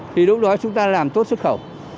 thì lúc đó chúng ta làm tốt xuất khẩu